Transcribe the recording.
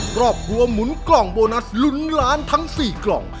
ครอบครัวหมุนกล่องโบนัสลุ้นล้านทั้ง๔กล่อง